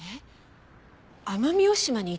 奄美大島に行ってきたの？